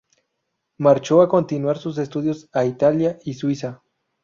Marchó a continuar sus estudios a Italia y Suiza.